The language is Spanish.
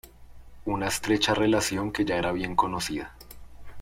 Una estrecha relación que ya era bien conocida.